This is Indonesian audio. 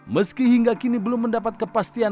meski hingga kini belum mendapat kepastian